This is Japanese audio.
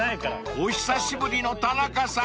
［お久しぶりの田中さん。